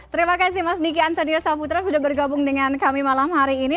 terima kasih mas niki antonio saputra sudah bergabung dengan kami malam hari ini